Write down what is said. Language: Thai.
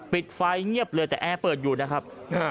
ปิดไฟเงียบเลยแต่แอร์เปิดอยู่นะครับ